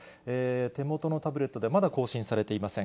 手元のタブレットでまだ更新されていません。